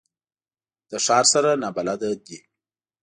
له ښار سره نابلده دي.